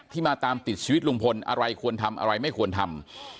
มาตามติดชีวิตลุงพลอะไรควรทำอะไรไม่ควรทำ